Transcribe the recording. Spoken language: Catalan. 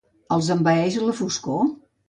Els envaeix la foscor?